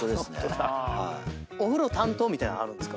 お風呂担当みたいなのあるんですか？